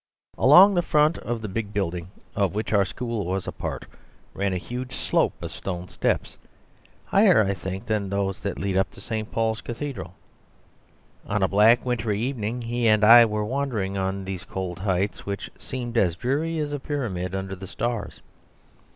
..... Along the front of the big building of which our school was a part ran a huge slope of stone steps, higher, I think, than those that lead up to St. Paul's Cathedral. On a black wintry evening he and I were wandering on these cold heights, which seemed as dreary as a pyramid under the stars.